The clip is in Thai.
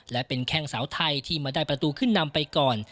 และเป็นแข้งสาวไทยที่มาได้ประตูขึ้นนำไปก่อน